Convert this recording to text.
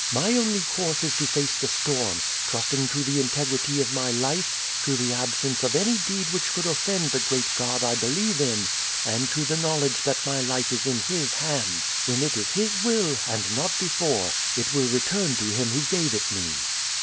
My only course is to face the storm, trusting to the integrity of my life, to the absence of any deed which could offend the great God I believe in, and to the knowledge that my life is in his hands. When it is his will, and not before, it will return to him who gave it me."